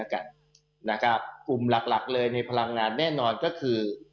กลุ่มหลักเลยในพลังงานแน่นอนก็คือ